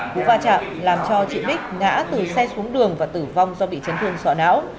cú va chạm làm cho chị bích ngã từ xe xuống đường và tử vong do bị chấn thương sọ não